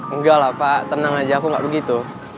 enggak lah pak tenang aja aku nggak begitu